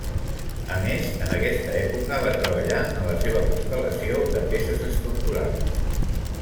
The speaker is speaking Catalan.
A més, en aquesta època va treballar en la seva constel·lació de peces estructurals.